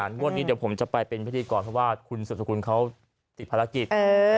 งวดนี้เดี๋ยวผมจะไปเป็นพิธีกรเพราะว่าคุณสุดสกุลเขาติดภารกิจ